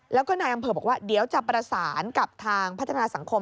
แล้วก็นายอำเภอบอกว่าเดี๋ยวจะประสานกับทางพัฒนาสังคม